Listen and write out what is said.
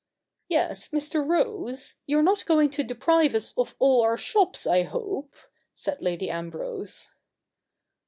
' Yes, Mr. Rose, you're not going to deprive us of all our shops, I hope ?' said Lady Ambrose.